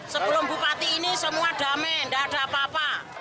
sebelum bupati ini semua damai tidak ada apa apa